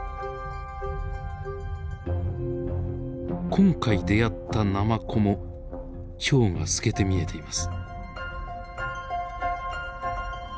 今回出会ったナマコも腸が透けて見えています。